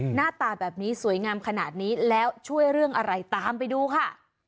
หน้าตาแบบนี้สวยงามขนาดนี้แล้วช่วยเรื่องอะไรตามไปดูค่ะ